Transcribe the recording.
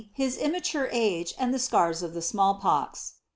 his immature age the scars of the small pox.